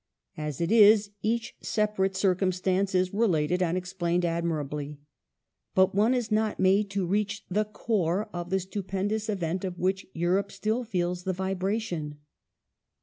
As it is, each separate circumstance is related and explained admirably, but one is not made to reach the core of the stupendous event of which Europe still feels the vibration.